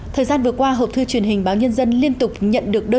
thời gian vừa qua hộp thư truyền hình báo nhân dân liên tục nhận được đơn